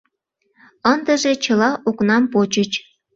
Ындыже чыла окнам почыч.